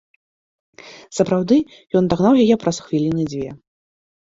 Сапраўды, ён дагнаў яе праз хвіліны дзве.